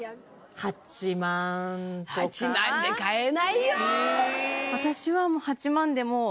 ８万で買えないよ。